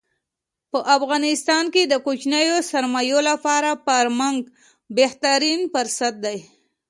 په افغانستان کې د کوچنیو سرمایو لپاره فارمنګ بهترین پرست دی.